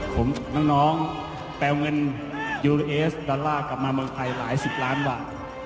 ผมกับน้องไปเอาเงินยูเอสดอลลาร์กลับมาเมืองไทยหลายสิบล้านบาท